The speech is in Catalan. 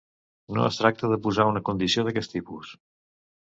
No es tracta de posar una condició d’aquest tipus.